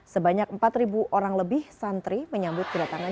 sebanyak empat orang lebih santri menyambut kedatangan